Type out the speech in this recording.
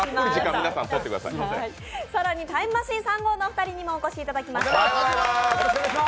更にタイムマシーン３号のお二人にもお越しいただきました。